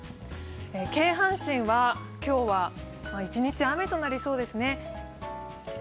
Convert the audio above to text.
京阪神は今日は１日雨となりそうですね。